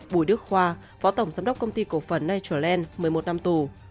bùi đức khoa phó tổng giám đốc công ty cổ phần naturend một mươi một năm tù